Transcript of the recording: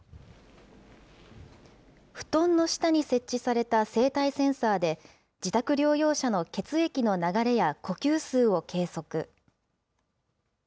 布団の下に設置された生体センサーで、自宅療養者の血液の流れや呼吸数を計測。